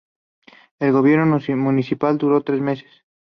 El gobierno municipal duró apenas tres meses.